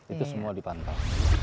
itu semua dipantau